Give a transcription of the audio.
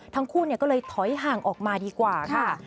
ทั้งคู่ก็เลยถอยห่างออกมาดีกว่าค่ะ